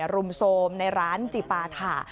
รุมโทรมในร้านจิปาถะ